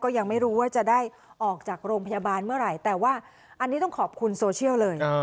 ยังไม่รู้ว่าจะได้ออกจากโรงพยาบาลเมื่อไหร่แต่ว่าอันนี้ต้องขอบคุณโซเชียลเลย